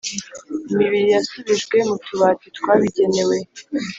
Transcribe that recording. Imibiri yasubijwe mu tubati twabigenewe